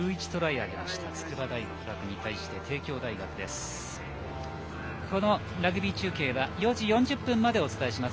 挙げました筑波大学に対しての帝京大学です。